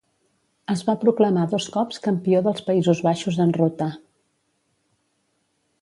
Es va proclamar dos cops Campió dels Països Baixos en ruta.